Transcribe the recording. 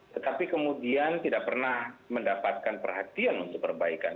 tetapi kemudian tidak pernah mendapatkan perhatian untuk perbaikan